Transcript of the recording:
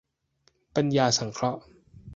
ปัญญาสังเคราะห์